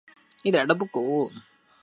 因治所在宛而得名。